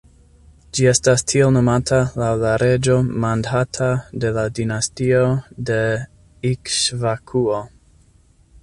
Ĝi estas tiel nomata laŭ la reĝo Mandhata de la dinastio de Ikŝvakuo.